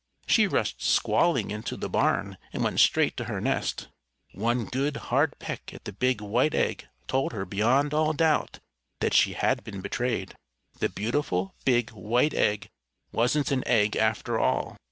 She rushed squalling into the barn and went straight to her nest. One good, hard peck at the big white egg told her beyond all doubt that she had been betrayed. The beautiful, big, white egg wasn't an egg after all!